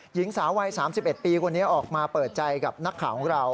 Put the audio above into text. หญิงสาววัย๓๑ปีคนนี้ออกมาเปิดใจกับนักข่าวของเรา